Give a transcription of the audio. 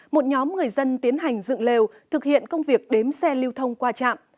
một nhóm người dân tiến hành dựng lều thực hiện công việc đếm xe lưu thông qua trạm